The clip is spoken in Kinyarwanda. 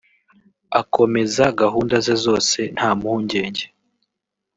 akomeza gahunda ze zose nta mpungenge